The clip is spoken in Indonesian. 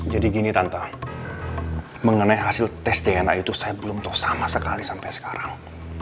jadi gini tante mengenai hasil tes dna itu saya belum tahu sama sekali sampai sekarang